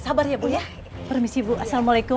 sabar ya bu ya permisi bu assalamualaikum